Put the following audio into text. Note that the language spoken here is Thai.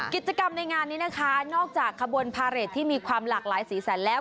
กิจกรรมในงานนี้นะคะนอกจากขบวนพาเรทที่มีความหลากหลายสีสันแล้ว